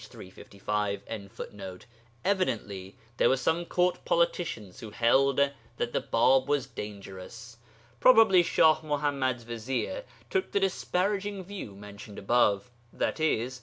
] Evidently there were some Court politicians who held that the Bāb was dangerous. Probably Shah Muḥammad's vizier took the disparaging view mentioned above (i.e.